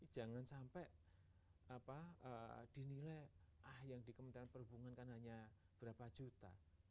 jangan sampai dinilai ah yang di kementerian perhubungan kan hanya berapa juta